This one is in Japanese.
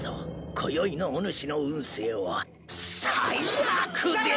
こよいのおぬしの運勢は最・悪でのう。